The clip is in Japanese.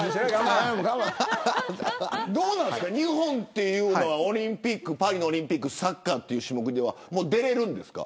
どうなんですか、日本はパリオリンピックサッカーという種目出れるんですか。